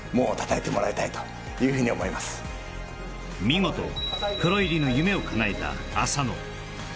見事プロ入りの夢をかなえた浅野